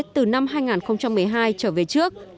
từ năm hai nghìn một mươi hai trở về trước